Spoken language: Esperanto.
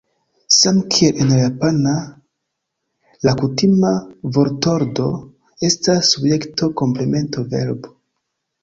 Samkiel en la japana, la kutima vortordo estas subjekto-komplemento-verbo.